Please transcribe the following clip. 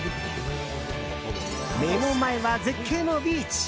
目の前は絶景のビーチ。